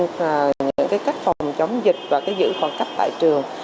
những cách phòng chống dịch và giữ khoảng cách tại trường